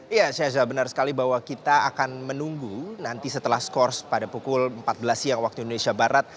iya syaza benar sekali bahwa kita akan menunggu nanti setelah skors pada pukul empat belas siang waktu indonesia barat